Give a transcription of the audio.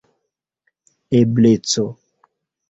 ebleco